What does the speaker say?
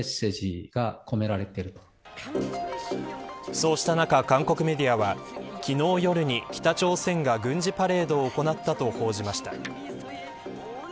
そうした中、韓国メディアは昨日夜に北朝鮮が軍事パレードを行ったと報じました。